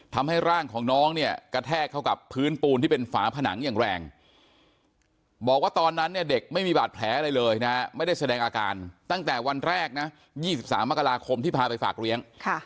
ทำให้ร่างของน้องเนี่ยกระแทกเข้ากับพื้นปูนที่เป็นฝาผนังอย่างแรงบอกว่าตอนนั้นเนี่ยเด็กไม่มีบาดแผลอะไรเลยนะไม่ได้แสดงอาการตั้งแต่วันแรกนะ๒๓มกราคมที่พาไปฝากเลี้ยง